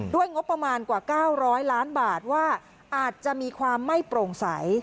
งบประมาณกว่า๙๐๐ล้านบาทว่าอาจจะมีความไม่โปร่งใส